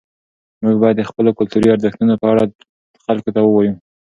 موږ باید د خپلو کلتوري ارزښتونو په اړه خلکو ته ووایو.